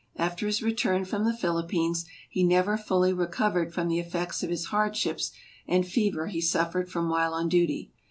After his return from the Philippines he never fully recovered from the effects of his hardships and fever he suffered from while on duty.